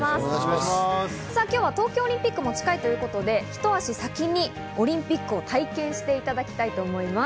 今日は東京オリンピックも近いということで、ひと足先にオリンピックを体験していただきたいと思います。